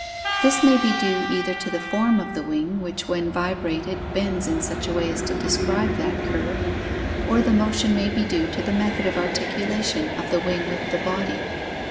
This may be due either to the form of the wing which when vibrated bends in such a way as to describe that curve, or the motion may be due to the method of articulation of the wing with the body.